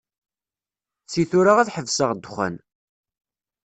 Si tura ad ḥebseɣ ddexxan.